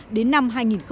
đến năm hai nghìn hai mươi